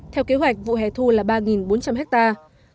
theo kế hoạch vụ hẻ thu là ba bốn trăm linh hectare